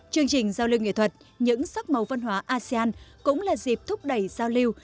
chương trình giao lưu nghệ thuật những sắc màu văn hóa asean cũng là dịp thúc đẩy giao lưu